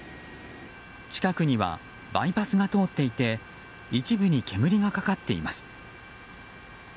近くにはバイパスが通っていて一部に煙がかかっています。